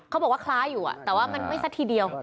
เขาบอกว่าคล้ายอยู่แต่ว่ามันไม่สักทีเดียว